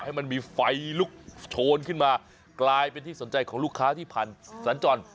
ให้มันมีไฟลุกโชนขึ้นมากลายเป็นที่สนใจของลูกค้าที่ผ่านสัญจร